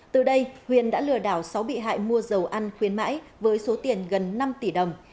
từ đây huyền đã lừa đảo sáu bị hại mua dầu ăn khuyến mãi với số tiền gần năm tỷ đồng